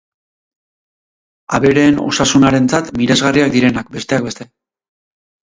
Abereen osasunarentzat miresgarriak direnak, besteak beste.